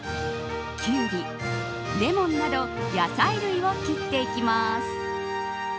キュウリ、レモンなど野菜類を切っていきます。